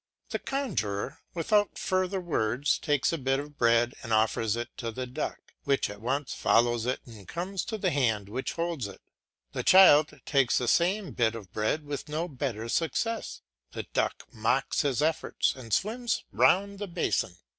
The conjuror, without further words, takes a bit of bread and offers it to the duck, which at once follows it and comes to the hand which holds it. The child takes the same bit of bread with no better success; the duck mocks his efforts and swims round the basin.